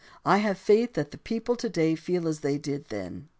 I have faith that the people to day feel as they did then.